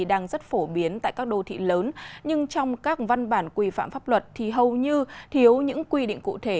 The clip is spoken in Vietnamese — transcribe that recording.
đang rất phổ biến tại các đô thị lớn nhưng trong các văn bản quy phạm pháp luật thì hầu như thiếu những quy định cụ thể